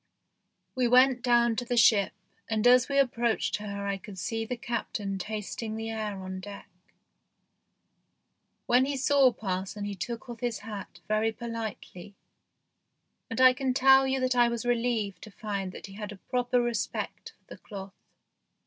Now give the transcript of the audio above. We went down to the ship, and as we approached her I could see the Captain tasting the air on deck. When he saw parson he took off his hat very politely, and I can tell you that I was relieved to find that he had a proper respect for the cloth.